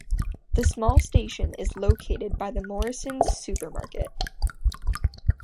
The small station is located by the Morrison's supermarket.